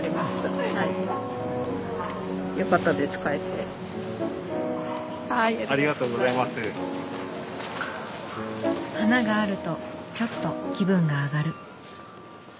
花があるとちょっと気分が上がる。